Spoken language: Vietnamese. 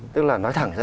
tức là nói thẳng ra